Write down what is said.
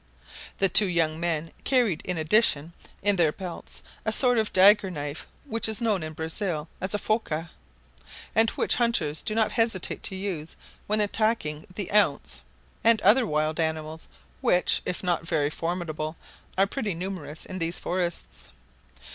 The two young men carried in addition, in their belts, a sort of dagger knife, which is known in Brazil as a "foca," and which hunters do not hesitate to use when attacking the ounce and other wild animals which, if not very formidable, are pretty numerous in these forests.